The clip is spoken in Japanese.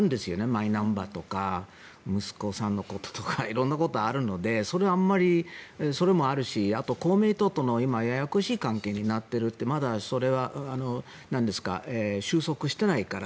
マイナンバーとか息子さんのこととか色んなことがあるのでそれもあるしあとは今、公明党とのややこしい関係になっているってまだそれは収束してないから。